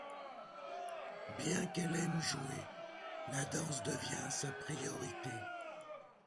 Bien qu'elle aime jouer, la danse devient sa priorité.